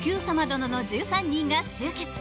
殿の１３人が集結！